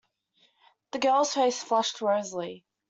The girl's face flushed rosily.